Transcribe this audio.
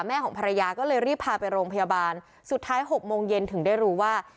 ของภรรยาก็เลยรีบพาไปโรงพยาบาลสุดท้าย๖โมงเย็นถึงได้รู้ว่า